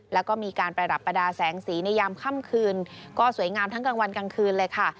แล้วก็มีการประดับประดาษแสงสีในยามค่ำคืนก็สวยงามทั้งกลางวันกลางคืนเลยค่ะ